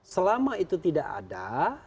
selama itu tidak ada